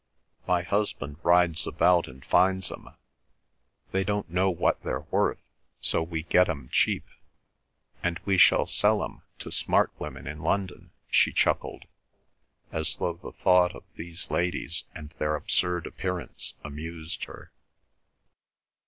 "My husband rides about and finds 'em; they don't know what they're worth, so we get 'em cheap. And we shall sell 'em to smart women in London," she chuckled, as though the thought of these ladies and their absurd appearance amused her.